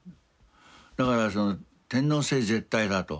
だから天皇制絶対だと。